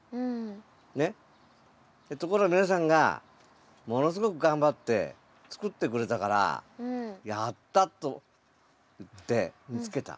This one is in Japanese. ねっところが皆さんがものすごく頑張って作ってくれたから「やった！」といって見つけた。